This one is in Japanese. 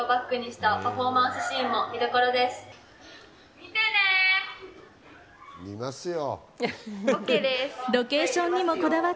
見ますよ。